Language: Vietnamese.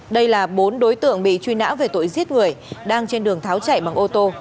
đây là bốn đối tượng bị truy nã về tội giết người đang trên đường tháo chạy bằng ô tô